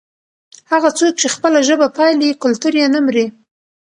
هغه څوک چې خپله ژبه پالي کلتور یې نه مري.